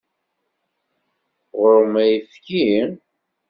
Ɣur-m ayefki?